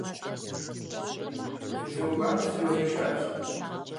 Фи зауэ-банэм сригъэзэшащ.